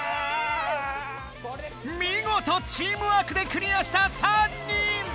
みごとチームワークでクリアした３人！